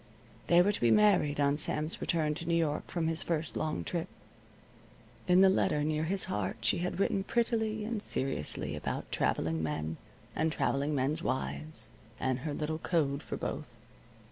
They were to be married on Sam's return to New York from his first long trip. In the letter near his heart she had written prettily and seriously about traveling men, and traveling men's wives, and her little code for both.